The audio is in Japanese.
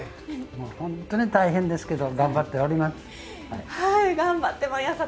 本当に大変ですけど頑張っております。